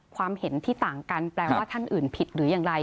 ความเห็นที่ต่างกันแปลว่าท่านอื่นผิดหรืออย่างไร